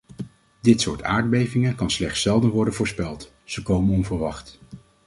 Dit soort aardbevingen kan slechts zelden worden voorspeld: ze komen onverwacht.